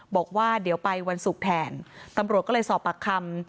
บอกว่าเดี๋ยวไปวันศุกร์แทนตำรวจก็เลยสอบปากคำ